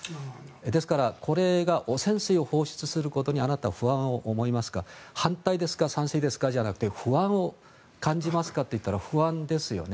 ですからこれが汚染水を放出することにあなた、不安を思いますか反対ですか賛成ですかじゃなくて不安を感じますかと言ったら不安ですよね。